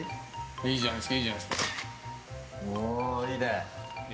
いいじゃないですか。